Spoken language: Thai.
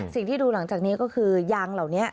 สิ่งที่ดูหลังจากนี้ก็คือยางเหล่านี้